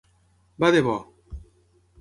Va de bo!